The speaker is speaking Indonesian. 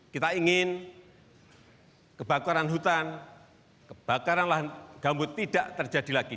kita ingin kebakaran hutan kebakaran lahan gambut tidak terjadi lagi